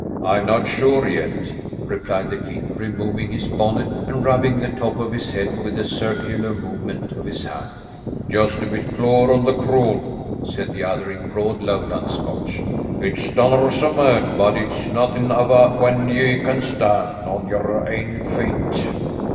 "I'm not just sure yet," replied the king, removing his bonnet and rubbing the top of his head with a circular movement of his hand. "Just a bit cloor on the croon," said the other in broad Lowland Scotch. "It stunners a man, but it's nothin' ava when ye can stan' on your ain feet."